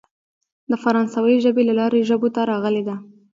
د فرانسوۍ ژبې له لارې ژبو ته راغلې ده.